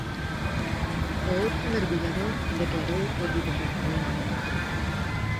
O outro mergullador declarou por videoconferencia.